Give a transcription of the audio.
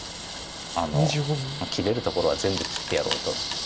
切れるところは全部切ってやろうと。